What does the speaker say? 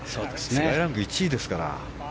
世界ランク１位ですから。